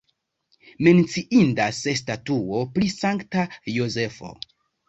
Menciindas statuo pri Sankta Jozefo.